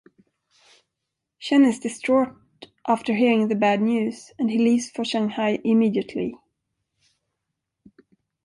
Chen is distraught after hearing the bad news and he leaves for Shanghai immediately.